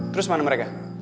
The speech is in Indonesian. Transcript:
terus mana mereka